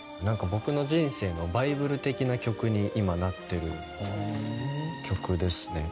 僕の人生のバイブル的な曲に今なってる曲ですね。